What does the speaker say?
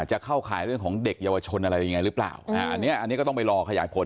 จะเข้าขายเรื่องของเด็กเยาวชนอะไรยังไงหรือเปล่าอ่าอันนี้อันนี้ก็ต้องไปรอขยายผล